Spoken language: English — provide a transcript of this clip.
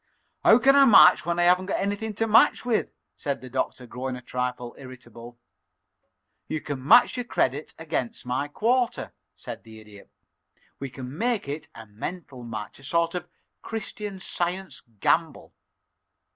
"How can I match when I haven't anything to match with?" said the Doctor, growing a trifle irritable. "You can match your credit against my quarter," said the Idiot. "We can make it a mental match a sort of Christian Science gamble.